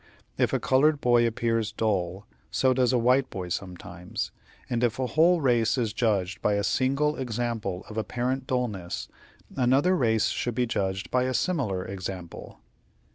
If a colored boy appears dull, so does a white boy sometimes; and if a whole race is judged by a single example of apparent dulness, another race should be judged by a similar example.